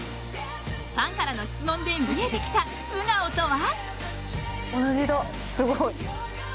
ファンからの質問で見えてきた素顔とは？